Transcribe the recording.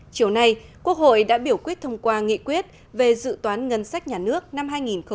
chiều nay quốc hội đã biểu quyết thông qua nghị quyết về dự toán ngân sách nhà nước năm hai nghìn hai mươi